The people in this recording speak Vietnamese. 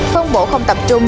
phân bộ không tập trung